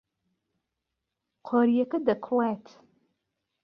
قۆریەکە دەکوڵێت.